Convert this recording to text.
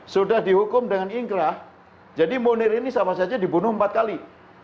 sudah dihukum dengan ingkrah jadi munir ini sama saja dibunuh empat kali